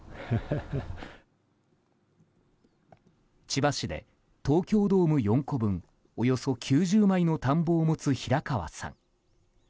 千葉市で東京ドーム４個分およそ９０枚の田んぼを持つ平川さん。